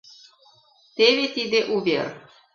Теве тиде увер!